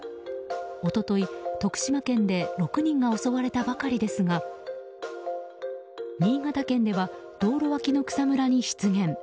一昨日、徳島県で６人が襲われたばかりですが新潟県では道路脇の草むらに出現。